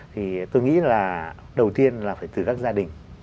thì tôi nghĩ là đầu tiên là phải từ các gia đình